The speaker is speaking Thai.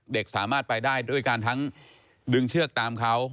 เด็กสามารถไปได้ด้วยการทั้งดึงเชือกตามเขา